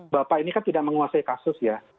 bapak ini kan tidak menguasai kasus ya